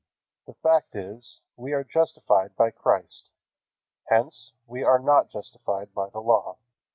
The fact is, we are justified by Christ. Hence, we are not justified by the Law.